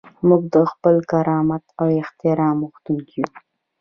موږ د خپل کرامت او احترام غوښتونکي یو.